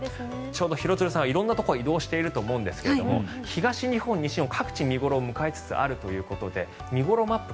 ちょうど廣津留さんは色んなところに移動していると思うんですが東日本、西日本各地見頃を迎えつつあるということで見頃マップ